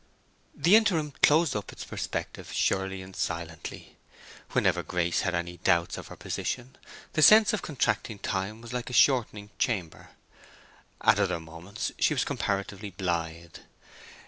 The interim closed up its perspective surely and silently. Whenever Grace had any doubts of her position, the sense of contracting time was like a shortening chamber: at other moments she was comparatively blithe.